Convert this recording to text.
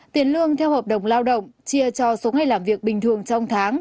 tiền lương theo hợp đồng lao động chia cho số ngày làm việc bình thường trong tháng